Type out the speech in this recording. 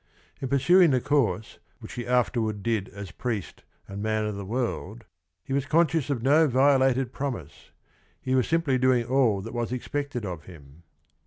In pursuing the course which he afterward did as priest and man of the world he was conscious of no vio lated promise : he was simply doing all that was expected of him.